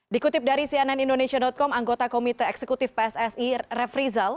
dikutip dari cnn indonesia com anggota komite eksekutif pssi ref rizal